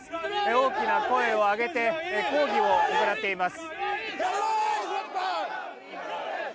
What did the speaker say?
大きな声を上げて抗議を行っています。